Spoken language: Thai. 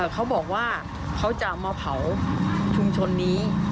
เขาบอกว่าเขาจะมาเผาชุมชนนี้